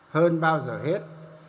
hơn bao giờ hết